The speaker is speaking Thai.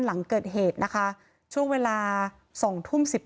หลังเกิดเหตุนะคะช่วงเวลา๑๒๑๙นาที